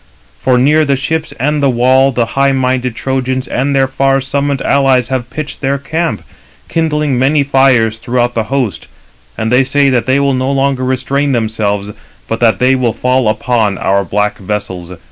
For near the ships and the wall the high minded Trojans and their far summoned allies have pitched their camp, kindling many fires throughout the host; and they say that they will no longer restrain themselves, but that they will fall upon our black vessels.